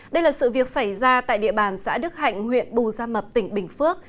đây là sự việc xảy ra tại địa bàn xã đức hạnh huyện bù gia mập tỉnh bình phước